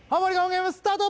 ゲームスタート